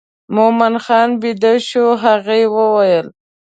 مومن خان بېده شو هغې وویل.